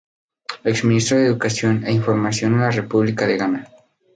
Ex ministro de Educación e Información en la República de Ghana.